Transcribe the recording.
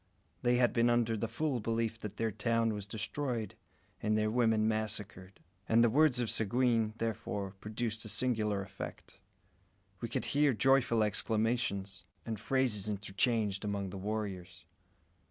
They had been under the full belief that their town was destroyed and their women massacred; and the words of Seguin, therefore produced a singular effect. We could hear joyful exclamations and phrases interchanged among the warriors.